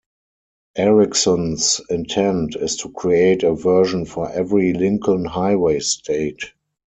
Erickson's intent is to create a version for every Lincoln Highway state.